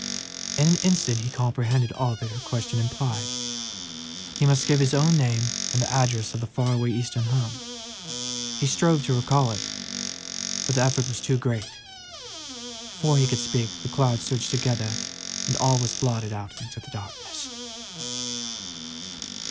In an instant he comprehended all that her question implied; he must give his own name and the address of the far away eastern home. He strove to recall it, but the effort was too great; before he could speak, the clouds surged together and all was blotted out in darkness.